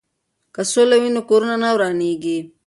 که سوله وي نو کورونه نه ورانیږي.